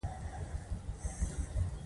تعلیم نجونو ته د ورورګلوۍ درس ورکوي.